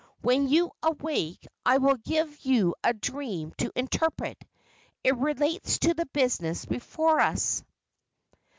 When you awake I will give you a dream to interpret. It relates to the business before us."